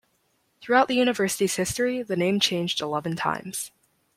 Throughout the university's history, the name changed eleven times.